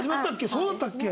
そうだったっけ？